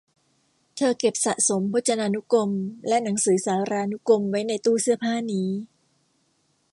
เธอเก็บสะสมพจนานุกรมและหนังสือสารานุกรมไว้ในตู้เสื้อผ้านี้